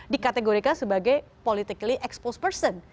dikategorikan sebagai politically expose person